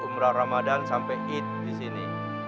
umrah ramadan sampai eid disini